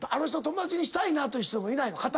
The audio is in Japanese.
友達にしたいなという人もいないの？